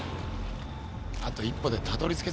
あと一歩でたどりつけそうでさ。